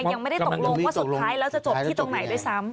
ยังไม่ได้ตกลงว่าสุดท้ายแล้วจะจบที่ตรงไหนด้วยซ้ำ